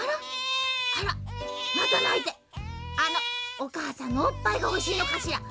おかあさんのおっぱいがほしいのかしら？